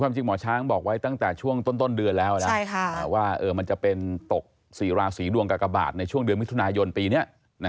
จริงหมอช้างบอกไว้ตั้งแต่ช่วงต้นเดือนแล้วนะว่ามันจะเป็นตก๔ราศีดวงกากบาทในช่วงเดือนมิถุนายนปีนี้